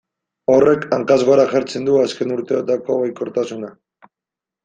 Horrek hankaz gora jartzen du azken urteotako baikortasuna.